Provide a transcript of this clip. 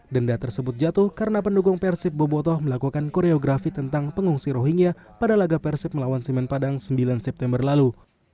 denda tersebut jatuh karena pendukung persib bobotoh melakukan koreografi tentang pengungsi rohingya pada laga persib melawan semen padang sembilan september lalu